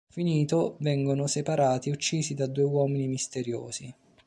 Finito, vengono separati e uccisi da due uomini misteriosi.